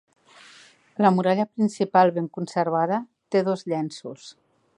La muralla principal, ben conservada, té dos llenços.